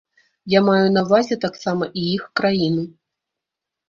Я маю на ўвазе таксама і іх краіну.